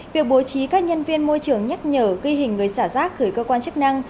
việc bố trí các nhân viên môi trường nhắc nhở ghi hình người xả rác gửi cơ quan chức năng